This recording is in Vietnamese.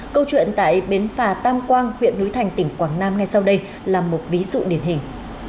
câu chuyện tại bến phà tam quang huyện núi thành tỉnh quảng nam ngay sau đây là một ví dụ điển hình